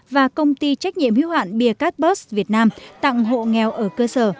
và công ty trách nhiệm hiếu hạn biacat bus việt nam tặng hộ nghèo ở cơ sở